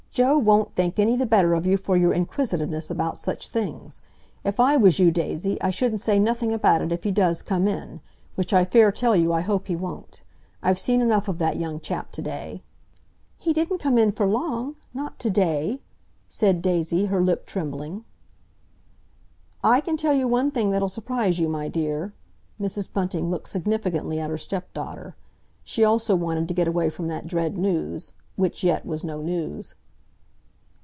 "Joe won't think any the better of you for your inquisitiveness about such things. If I was you, Daisy, I shouldn't say nothing about it if he does come in—which I fair tell you I hope he won't. I've seen enough of that young chap to day." "He didn't come in for long—not to day," said Daisy, her lip trembling. "I can tell you one thing that'll surprise you, my dear"—Mrs. Bunting looked significantly at her stepdaughter. She also wanted to get away from that dread news—which yet was no news.